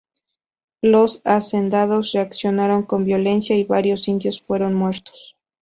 Los hacendados reaccionaron con violencia y varios indios fueron muertos.